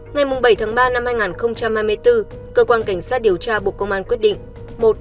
ngày bảy tháng ba năm hai nghìn hai mươi bốn cơ quan cảnh sát điều tra bộ công an quyết định